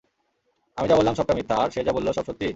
আমি যা বললাম সবটা মিথ্যা, আর সে যা বললো সব সত্যি?